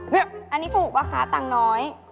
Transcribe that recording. นี่อันนี้ถูกป่ะคะตังค์น้อย